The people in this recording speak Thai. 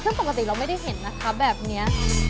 ซึ่งปกติเราไม่ได้เห็นนะคะแบบนี้